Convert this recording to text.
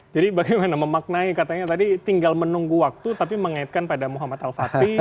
jadi bagaimana memaknai katanya tadi tinggal menunggu waktu tapi mengaitkan pada muhammad al fatih